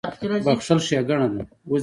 • بښل ښېګڼه ده.